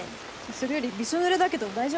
それよりびしょぬれだけど大丈夫？